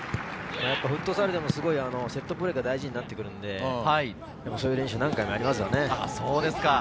フットサルでもセットプレーが大事になってくるので、そういう練習を何回もやりますよね。